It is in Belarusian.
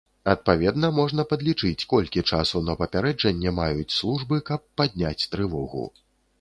Адпаведна, можна падлічыць, колькі часу на папярэджанне маюць службы, каб падняць трывогу.